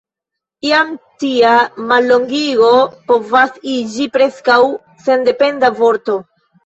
Iam tia mallongigo povas iĝi preskaŭ sendependa vorto.